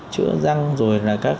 chữa răng rồi là các thiết